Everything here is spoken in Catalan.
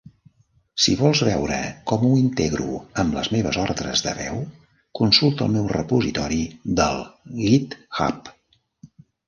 Si vols veure com ho integro amb les meves ordres de veu, consulta el meu repositori del GitHub.